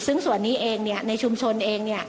ซึ่งส่วนนี้เองในชุมชนเอง